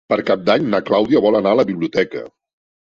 Per Cap d'Any na Clàudia vol anar a la biblioteca.